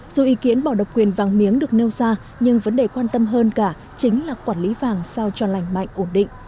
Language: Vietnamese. dù ý kiến bỏ độc quyền vàng miếng được nêu ra nhưng vấn đề quan tâm hơn cả chính là quản lý vàng sao cho lành mạnh ổn định